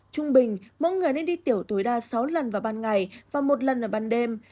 trung bình mỗi người nên đi tiểu tối đa sáu lần vào ban ngày và một lần ở ban đêm